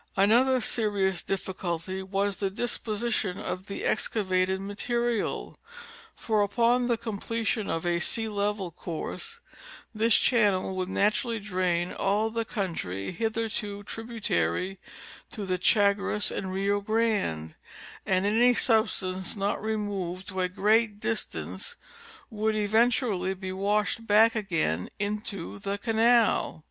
Another serious difficulty was the disposition of the excavated material, for upon the completion of a sea level course this chan nel would naturally drain all the country hitherto ti'ibutary to the Chagres and Rio Grande, and any substance not removed to a great distance would eventually be washed back again into the canal.